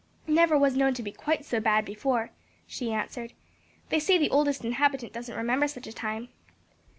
"Never was known to be quite so bad before," she answered; "they say the oldest inhabitant doesn't remember such a time.